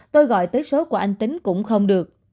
tôi gọi tới số của anh tính cũng không được